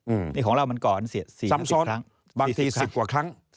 อืมนี่ของเรามันก่อน๔๐๕๐ครั้งสำสรรค์บางที๑๐กว่าครั้ง